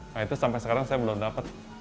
nah itu sampai sekarang saya belum dapat